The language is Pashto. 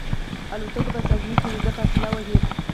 الوتکه په ثانیو کې اوږده فاصله وهي.